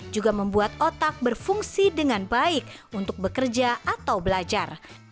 juga membuat otak berfungsi dengan baik untuk bekerja atau belajar